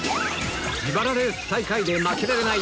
自腹レース最下位で負けられない